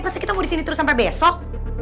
pasti kita mau di sini terus sampai besok